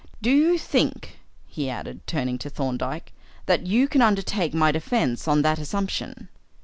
Do you think," he added, turning to Thorndyke, "that you can undertake my defence on that assumption?"